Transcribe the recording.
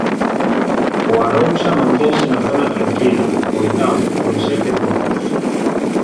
O Arousa mantense na zona tranquila, oitavo, con sete puntos.